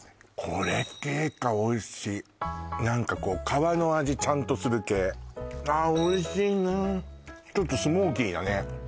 これ系かおいしい何かこう皮の味ちゃんとする系ああおいしいねーちょっとスモーキーなね